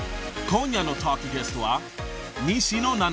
［今夜のトークゲストは］